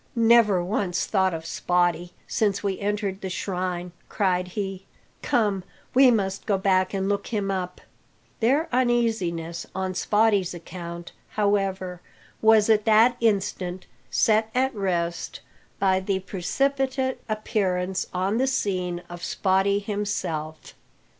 "Never once thought of Spottie since we entered the shrine," cried he. "Come, we must go back and look him up." Their uneasiness on Spottie's account, however, was at that instant set at rest by the precipitate appearance on the scene of Spottie himself.